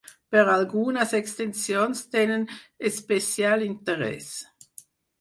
Però algunes extensions tenen especial interès.